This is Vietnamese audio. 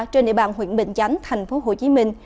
trên địa bàn huyện bình chánh tp hcm